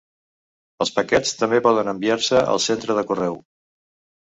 Els paquets també poden enviar-se al centre de correu.